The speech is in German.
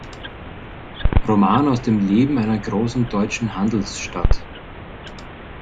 Roman aus dem Leben einer großen deutschen Handelsstadt.